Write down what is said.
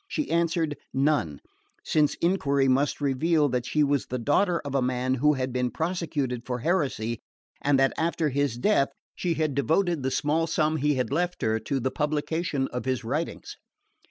She answered: none, since enquiry must reveal that she was the daughter of a man who had been prosecuted for heresy, and that after his death she had devoted the small sum he had left her to the publication of his writings.